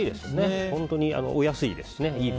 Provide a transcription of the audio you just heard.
本当にお安いですしね。